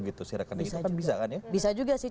gitu sih rekening itu bisa kan ya bisa juga sih